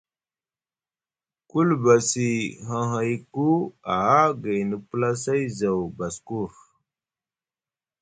Ku libasi hahayku aha gayni plasai zaw baskur,